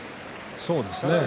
そうですね。